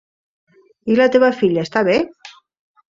I la teva filla, està bé?